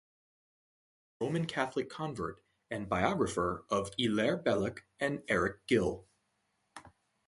He was a Roman Catholic convert, and biographer of Hilaire Belloc and Eric Gill.